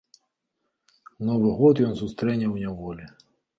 Новы год ён сустрэне ў няволі.